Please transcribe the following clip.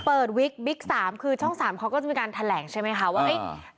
วิกบิ๊ก๓คือช่อง๓เขาก็จะมีการแถลงใช่ไหมคะว่าเฮ้ย